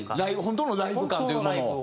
本当のライブ感というものを。